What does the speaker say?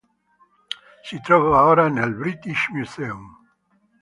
Si trova ora nel British Museum.